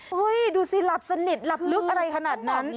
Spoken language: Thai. ดูสิหลับสนิทหลับลึกอะไรขนาดนั้น